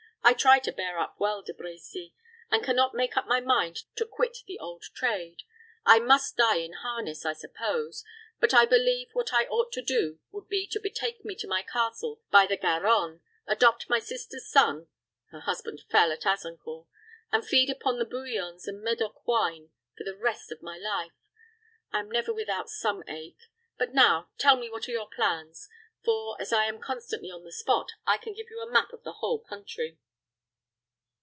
"I try to bear up well, De Brecy, and can not make up my mind to quit the old trade. I must die in harness, I suppose; but I believe what I ought to do would be to betake me to my castle by the Garonne, adopt my sister's son her husband fell at Azincourt and feed upon bouillons and Medoc wine for the rest of my life. I am never without some ache. But now tell me what are your plans; for, as I am constantly on the spot, I can give you a map of the whole country."